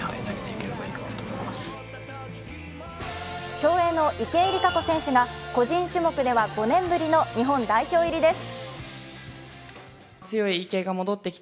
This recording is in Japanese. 競泳の池江璃花子選手が個人種目では５年ぶりの日本代表入りです。